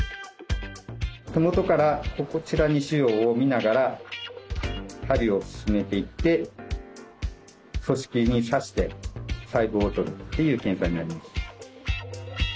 手元からこちらに腫瘍をみながら針を進めていって組織に刺して細胞を採るっていう検査になります。